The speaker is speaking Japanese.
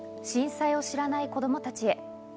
震災を知らない子どもたちへ」。